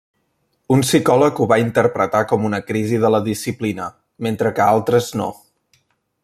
Un psicòleg ho va interpretar com una crisi de la disciplina mentre que altres no.